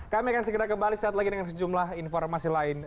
kami akan segera kembali saat lagi dengan sejumlah informasi lain